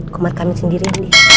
kumat kami sendiri